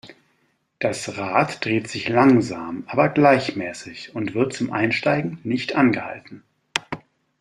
Das Rad dreht sich langsam aber gleichmäßig und wird zum Einsteigen nicht angehalten.